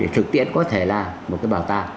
thực tiễn có thể là một cái bảo tàng